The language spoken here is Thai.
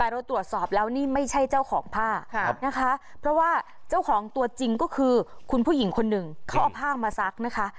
เราตรวจสอบแล้วนี่ไม่ใช่เจ้าของผ้านะคะเพราะว่าเจ้าของตัวจริงก็คือคุณผู้หญิงคนหนึ่งเขาเอาผ้ามาซักนะคะ